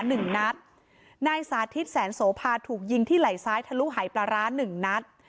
หนึ่งนัดนายสาธิตแสนโสภาถูกยิงที่ไหล่ซ้ายทะลุหายปลาร้าหนึ่งนัด